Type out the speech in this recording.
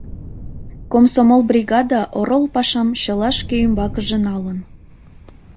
Комсомол бригада орол пашам чыла шке ӱмбакыже налын.